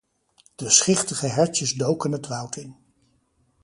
De schichtige hertjes doken het woud in.